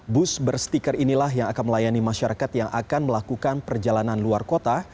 bus berstiker inilah yang akan melayani masyarakat yang akan melakukan perjalanan luar kota